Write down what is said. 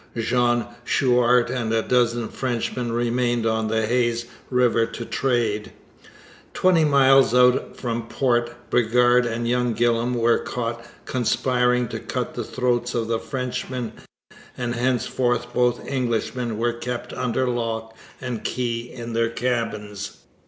Jean Chouart and a dozen Frenchmen remained on the Hayes river to trade. Twenty miles out from port, Bridgar and young Gillam were caught conspiring to cut the throats of the Frenchmen, and henceforth both Englishmen were kept under lock and key in their cabins.